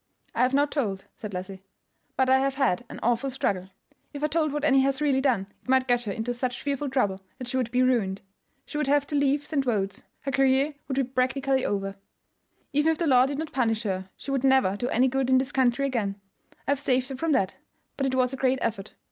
"I have not told," said Leslie; "but I have had an awful struggle. If I told what Annie has really done it might get her into such fearful trouble that she would be ruined. She would have to leave St. Wode's; her career would be practically over. Even if the law did not punish her, she would never do any good in this country again. I have saved her from that; but it was a great effort.